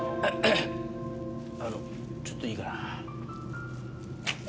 あのちょっといいかな。